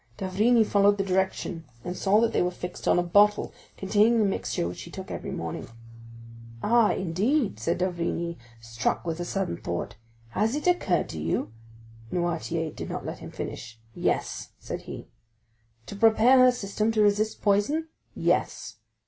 D'Avrigny followed the direction and saw that they were fixed on a bottle containing the mixture which he took every morning. "Ah, indeed?" said d'Avrigny, struck with a sudden thought, "has it occurred to you"—Noirtier did not let him finish. "Yes," said he. "To prepare her system to resist poison?" "Yes."